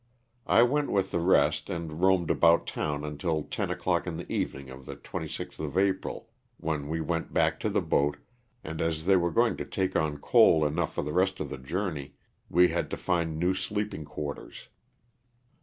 I went with the rest and roamed about town until ten o'clock in the evening of the 26th of April when we went back to the boat and as they were going to take on coal enough for the rest of our journey we had to find new sleeping quarters.